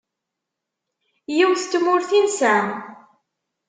Yiwet n tmurt i nesɛa.